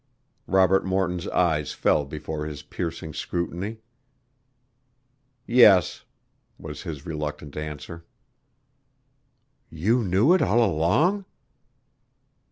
Robert Morton's eyes fell before his piercing scrutiny. "Yes," was his reluctant answer. "You knew it all along?"